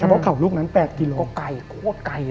เฉพาะเขาลูกนั้น๘กิโลกรัม